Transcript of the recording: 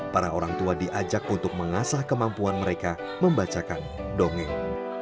para orang tua diajak untuk mengasah kemampuan mereka membacakan dongeng